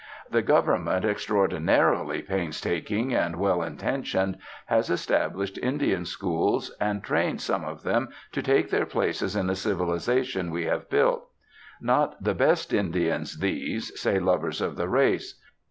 The Government, extraordinarily painstaking and well intentioned, has established Indian schools, and trains some of them to take their places in the civilisation we have built. Not the best Indians these, say lovers of the race.